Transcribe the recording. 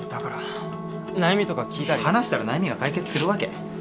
話したら悩みが解決するわけ？